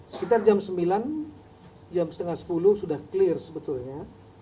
sekitar jam sembilan jam setengah sepuluh sudah clear sebetulnya